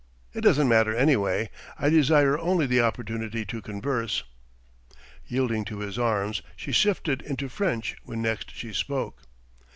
It doesn't matter, anyway; I desire only the opportunity to converse." Yielding to his arms, she shifted into French when next she spoke.